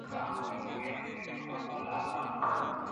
তুমি ভালো নকল করতে পারবে।